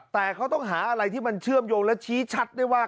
แต่เขาต้องหาอะไรที่มันเชื่อมโยงและชี้ชัดได้ว่า